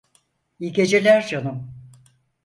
İyi geceler canım.